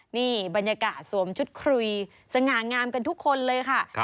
นี่บรรยากาศสวมชุดครุยสง่างามกันทุกคนเลยค่ะ